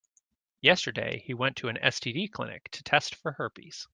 Yesterday, he went to an STD clinic to test for herpes.